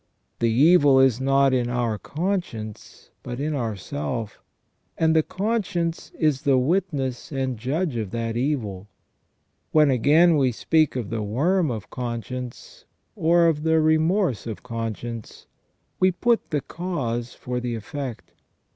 The evil is not in our conscience but in ourself, and the conscience is the witness and judge of that evil ; when, again, we speak of the worm of conscience or of the remorse of conscience, we put the cause for the effect.